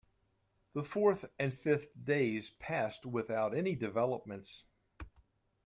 The fourth and fifth days passed without any developments.